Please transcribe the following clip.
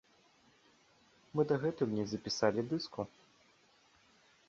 Мы дагэтуль не запісалі дыску.